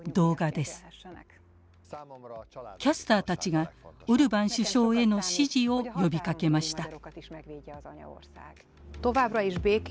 キャスターたちがオルバン首相への支持を呼びかけました。